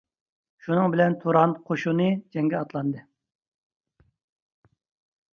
شۇنىڭ بىلەن تۇران قوشۇنى جەڭگە ئاتلاندى.